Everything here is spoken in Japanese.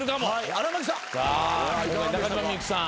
荒牧さん。